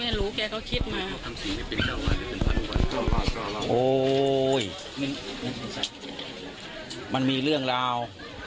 ไม่รู้แกเขาคิดมามันมีเรื่องราว